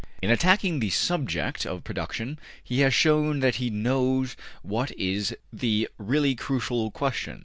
In attacking the subject of production he has shown that he knows what is the really crucial question.